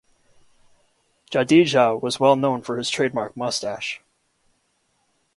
Jadeja was well known for his trademark moustache.